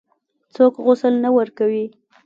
څوک غسل نه ورکوي.